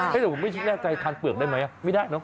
ไม่น่าใจทานเปลือกได้ไหมไม่ได้นะ